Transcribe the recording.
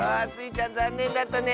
ちゃんざんねんだったね。